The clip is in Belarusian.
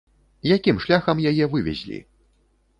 Якім шляхам яе вывезлі?